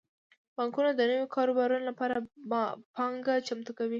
بانکونه د نویو کاروبارونو لپاره پانګه چمتو کوي.